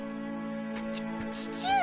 ち父上！